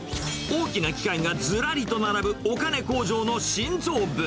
大きな機械がずらりと並ぶお金工場の心臓部。